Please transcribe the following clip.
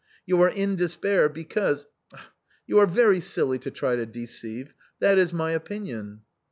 You are in despair be cause — You are very silly to try to deceive. That is my opinion."